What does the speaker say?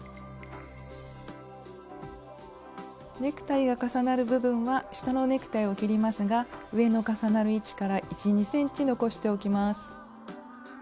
ネクタイが重なる部分は下のネクタイを切りますが上の重なる位置から１２ｃｍ残しておきます。